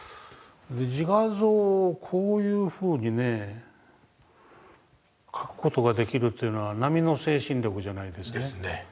自画像をこういうふうにね描く事ができるというのは並の精神力じゃないですね。ですね。